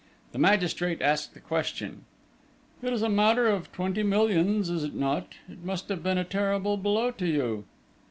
The magistrate asked a question. "It is a matter of twenty millions, is it not? It must have been a terrible blow to you?"